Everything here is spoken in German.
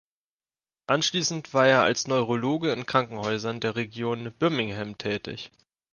Anschließend war er als Neurologe in Krankenhäusern der Region Birmingham tätig.